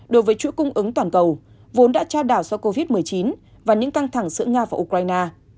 đối với chuỗi cung ứng toàn cầu vốn đã trao đảo do covid một mươi chín và những căng thẳng giữa nga và ukraine